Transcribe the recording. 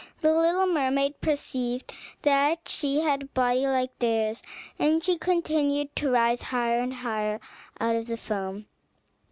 The little mermaid perceived that she had a body like theirs, and that she continued to rise higher and higher out of the foam.